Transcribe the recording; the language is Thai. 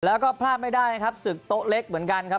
แล้วก็พลาดไม่ได้นะครับศึกโต๊ะเล็กเหมือนกันครับ